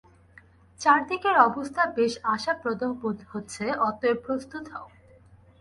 চারদিকের অবস্থা বেশ আশাপ্রদ বোধ হচ্ছে, অতএব প্রস্তুত হও।